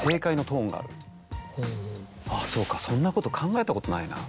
「あぁそうかそんなこと考えたことないな」。